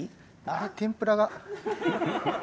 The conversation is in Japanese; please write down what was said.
天ぷらが。